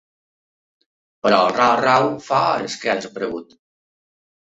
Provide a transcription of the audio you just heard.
Però el rau-rau fa hores que ha desaparegut.